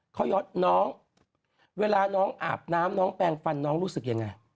เขายอดน้องเวลาน้องอาบน้ำน้องแปลงฟันน้องรู้สึกยังไง